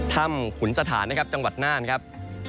ขุนสถานนะครับจังหวัดน่านครับ